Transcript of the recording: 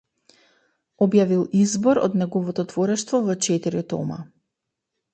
Објавил избор од неговото творештво во четири тома.